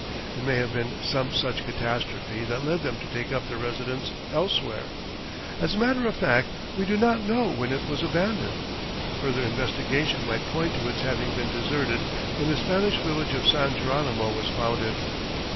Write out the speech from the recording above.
It may have been some such catastrophe that led them to take up their residence elsewhere. As a matter of fact we do not know when it was abandoned. Further investigation might point to its having been deserted when the Spanish village of San Geronimo was founded.